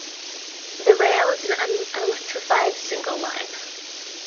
The rail is an unelectrified, single line.